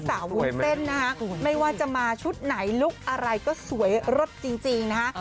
วุ้นเส้นนะฮะไม่ว่าจะมาชุดไหนลุคอะไรก็สวยรสจริงนะฮะ